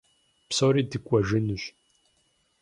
Псори дыкӀуэжынущ.